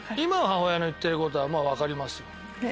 母親の言ってることは分かります。